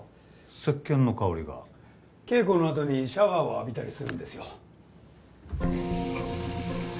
せっけんの香りが稽古の後にシャワーを浴びたりするんですよ